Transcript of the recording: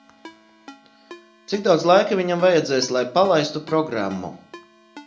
Cik daudz laika viņam vajadzēs, lai palaistu programmu?